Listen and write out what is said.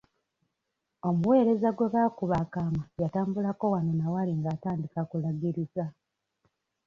Omuweereza gwe baakuba akaama yatambulako wano na wali ng'atandika kulagiriza.